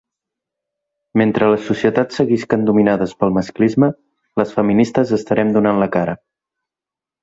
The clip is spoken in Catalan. Mentre les societats seguisquen dominades pel masclisme, les feministes estarem donant la cara.